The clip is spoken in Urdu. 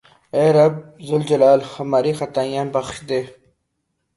اے رب ذوالجلال ھماری خطائیں بخش دے